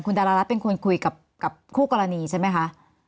ดารารัฐเป็นคนคุยกับคู่กรณีใช่ไหมคะ